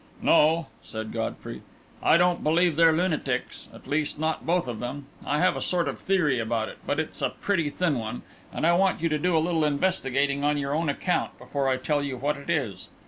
"No," said Godfrey, "I don't believe they're lunatics at least, not both of them. I have a sort of theory about it; but it's a pretty thin one, and I want you to do a little investigating on your own account before I tell you what it is.